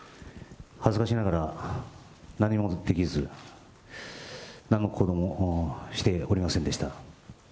恥ずかしながら、何もできず、なんの行動もしておりませんでした。